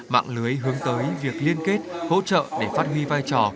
mạng lưới hướng tới việc liên kết hỗ trợ để phát huy vai trò